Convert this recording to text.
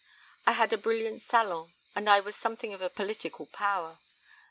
I had a brilliant salon and I was something of a political power.